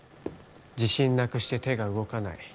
自信なくして手が動かない。